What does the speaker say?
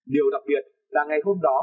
điều đặc biệt là ngày hôm đó